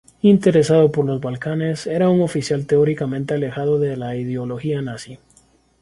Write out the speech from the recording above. Interesado por los Balcanes, era un oficial teóricamente alejado de la ideología nazi.